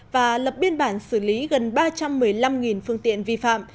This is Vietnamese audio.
và lập biên bản xử lý gần ba trăm một mươi năm phương tiện vi phạm